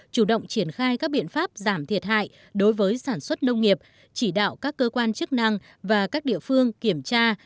chủ động triển khai các biện pháp giảm thiệt hại đối với sản xuất nông nghiệp chỉ đạo các cơ quan chức năng và các địa phương kiểm tra